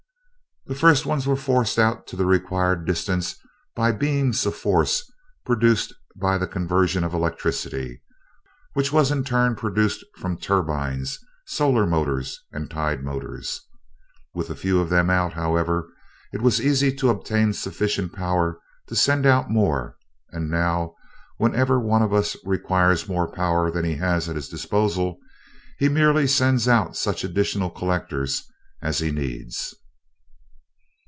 "The first ones were forced out to the required distance upon beams of force produced by the conversion of electricity, which was in turn produced from turbines, solar motors, and tide motors. With a few of them out, however, it was easy to obtain sufficient power to send out more; and now, whenever one of us requires more power than he has at his disposal, he merely sends out such additional collectors as he needs."